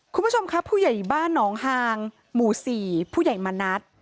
คุณผู้ชมครับผู้ใหญ่บ้านหนองฮางหมู่๔ผู้ใหญ่มณัฐ